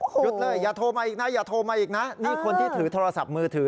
หยุดเลยอย่าโทรมาอีกนะอย่าโทรมาอีกนะนี่คนที่ถือโทรศัพท์มือถือ